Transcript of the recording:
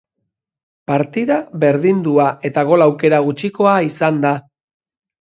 Partida berdindua eta gol aukera gutxikoa izan da.